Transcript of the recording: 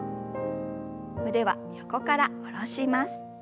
腕は横から下ろします。